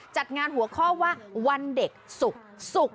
จัดงานหัวข้อว่าวันเด็กศุกร์